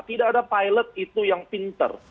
tidak ada pilot itu yang pinter